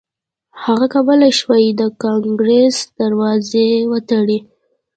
هغه کولای شوای د کانګریس دروازې وتړي.